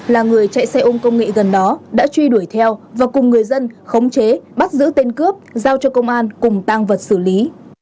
là người chạy xe ôm công nghệ gần đó đã truy đuổi theo và cùng người dân khống chế bắt giữ tên cướp giao cho công an cùng tăng vật xử lý